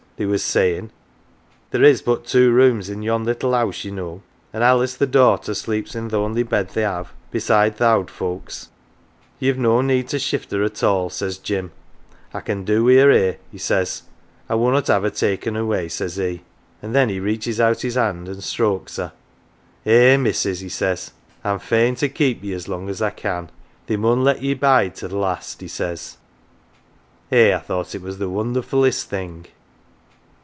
they was sayin' there is but two rooms in yon little house, ye know, an' Alice the daughter sleeps in th' only bed they have besides th' owd folks'. 'Ye've no need to shift her at all,' says Jim. ' I can do wi' her here,' he says. ' I wunnot have her taken away,' says he ; an' then he 258 MATES reaches out his hand an 1 strokes her. ' Eh, missus," 1 he says, ' I'm fain to keep ye as long as I can. They mun let ye bide to th' last, 1 he says. Eh, I thought it was the wonderfullest thing